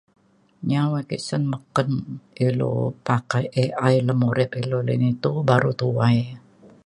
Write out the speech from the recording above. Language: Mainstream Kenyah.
nya awai ke sen meken ilu pakai AI le murip ilu le ri ni to baru tuai